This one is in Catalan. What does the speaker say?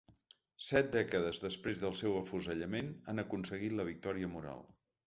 Set dècades després del seu afusellament han aconseguit la victòria moral.